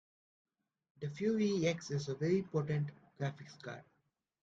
The Fury X is a very potent graphics card.